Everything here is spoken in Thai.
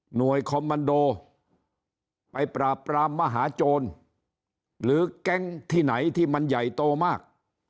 คอมมันโดไปปราบปรามมหาโจรหรือแก๊งที่ไหนที่มันใหญ่โตมาก